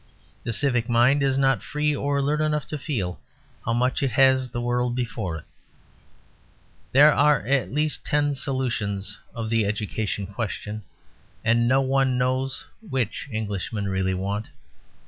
The civic mind is not free or alert enough to feel how much it has the world before it. There are at least ten solutions of the Education question, and no one knows which Englishmen really want.